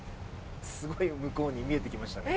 すごいの向こうに見えて来ましたね。